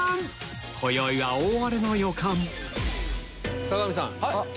今宵は大荒れの予感坂上さん。